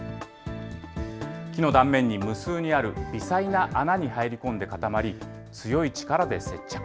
木の断面に無数にある微細な穴に入り込んで固まり、強い力で接着。